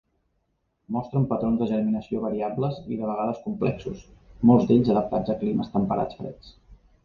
Mostren patrons de germinació variables i de vegades complexos, molts d'ells adaptats a climes temperats freds.